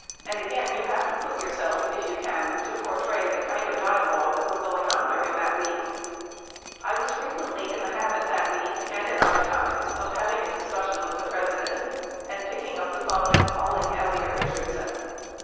And again you have to put yourself, if you can, to portray the kind of dialog that was going on during that week. I was frequently in the habit that week and at other times of having a discussion with the President and picking up the phone and calling El liot Eichardson.